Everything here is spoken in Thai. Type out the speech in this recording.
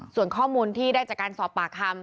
ส่วนข้อมูลที่ได้จากการสอบปากคำ